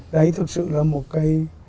đấy thực sự là một cái